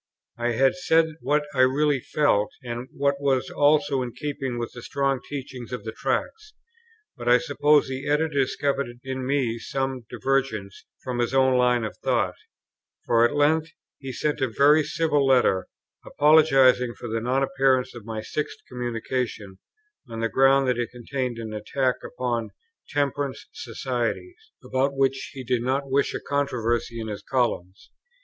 I had said what I really felt, and what was also in keeping with the strong teaching of the Tracts, but I suppose the Editor discovered in me some divergence from his own line of thought; for at length he sent a very civil letter, apologizing for the non appearance of my sixth communication, on the ground that it contained an attack upon "Temperance Societies," about which he did not wish a controversy in his columns.